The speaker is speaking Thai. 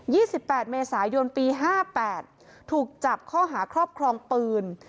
สิบแปดเมษายนปีห้าแปดถูกจับข้อหาครอบครองปืน